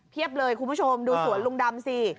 เลยคุณผู้ชมดูสวนลุงดำสิ